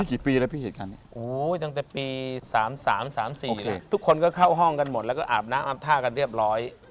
กี่ปีแล้วพี่เหตุการณ์นี้ตั้งแต่ปี๓๓๔เลยทุกคนก็เข้าห้องกันหมดแล้วก็อาบน้ำอาบท่ากันเรียบร้อย